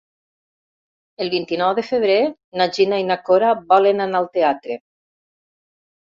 El vint-i-nou de febrer na Gina i na Cora volen anar al teatre.